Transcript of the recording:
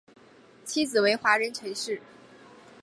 妻子为华人陈氏。